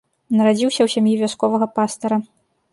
Нарадзіўся ў сям'і вясковага пастара.